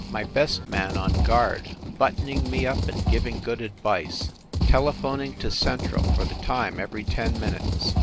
My best man on guard, buttoning me up and giving good advice, telephoning to Central for the time every ten minutes.